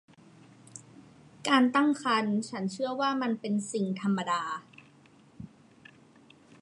การตั้งครรภ์ฉันเชื่อว่ามันเป็นสิ่งธรรมดา